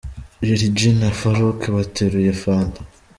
Lil G na farouk bateruye fanta.